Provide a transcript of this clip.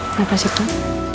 kenapa sih kak